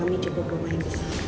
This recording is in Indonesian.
kami cukup berpengalaman